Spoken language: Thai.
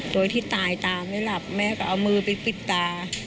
โดยที่ตายตาไม่หลับแม่ก็เอามือไปปิดตา